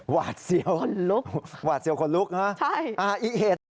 หวาดเซียวหวาดเซียวคนลุกนะฮะอ่าอีเหตุ